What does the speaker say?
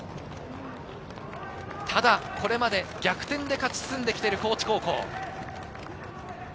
ただ、これまで逆転で勝ち進んできている高知高校。